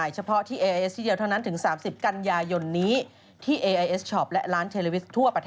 นี่เยี่ยวส์ดูทุกวันอยากจะได้เลยนะ